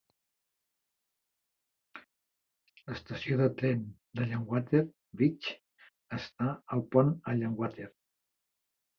L'estació de tren d'Allanwater Bridge està al Pont Allanwater.